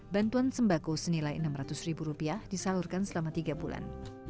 bantuan sembako senilai rp enam ratus ribu rupiah disalurkan selama tiga bulan